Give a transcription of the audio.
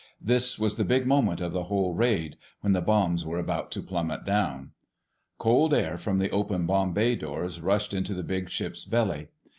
This was the big moment of the whole raid—when the bombs were about to plummet down. Cold air from the open bomb bay doors rushed into the big ship's belly.